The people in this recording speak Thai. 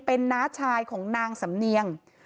เป็นน้าชายของนางสำเนียง